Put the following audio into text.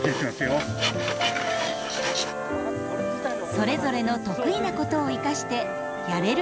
それぞれの得意なことを生かしてやれることをやる。